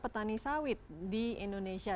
petani sawit di indonesia